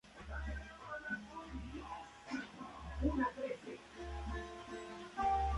Son inicialmente placenteras, pero al cabo de cierto tiempo se vuelven desagradables.